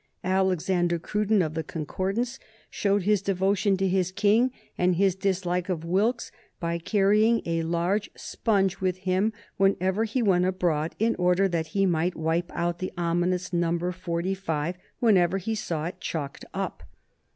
Alexander Cruden, of the "Concordance," showed his devotion to his King and his dislike of Wilkes by carrying a large sponge with him whenever he walked abroad in order that he might wipe out the ominous number, forty five, whenever he saw it chalked up.